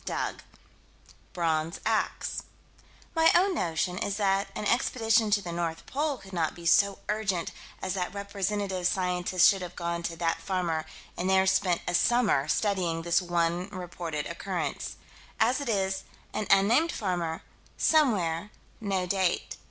Dug. Bronze ax. My own notion is that an expedition to the North Pole could not be so urgent as that representative scientists should have gone to that farmer and there spent a summer studying this one reported occurrence. As it is un named farmer somewhere no date.